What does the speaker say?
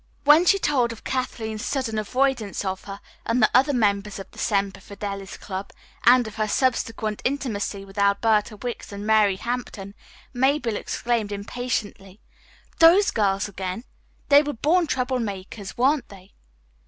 When she told of Kathleen's sudden avoidance of her and the other members of the Semper Fidelis Club, and of her subsequent intimacy with Alberta Wicks and Mary Hampton, Mabel exclaimed impatiently: "Those girls again! They were born trouble makers, weren't they?"